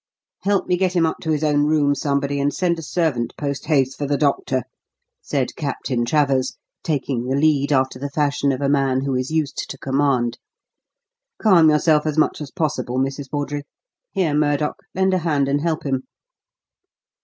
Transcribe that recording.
"Help me get him up to his own room, somebody, and send a servant post haste for the doctor," said Captain Travers, taking the lead after the fashion of a man who is used to command. "Calm yourself as much as possible, Mrs. Bawdrey. Here, Murdock, lend a hand and help him."